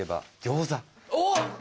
おっ！